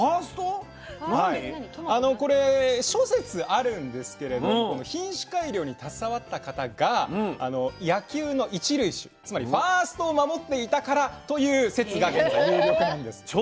あのこれ諸説あるんですけれどこの品種改良に携わった方が野球の一塁手つまりファーストを守っていたからという説が現在有力なんです。